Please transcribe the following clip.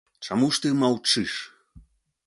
Чаму ж ты маўчыш?